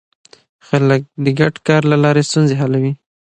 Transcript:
خلک د ګډ کار له لارې ستونزې حلوي